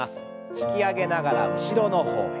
引き上げながら後ろの方へ。